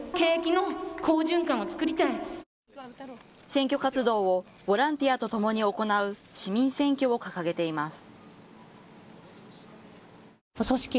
選挙活動をボランティアとともに行う市民選挙を掲げています。